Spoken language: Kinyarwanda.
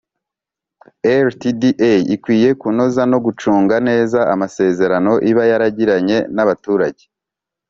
Rtda ikwiye kunoza no gucunga neza amasezerano iba yagiranye na baturage